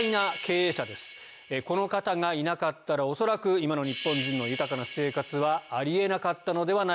この方がいなかったら恐らく今の日本人の豊かな生活はあり得なかったのではないかと思います。